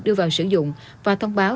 đưa vào sử dụng và thông báo